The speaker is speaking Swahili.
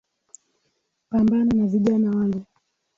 Pambana na vijana wale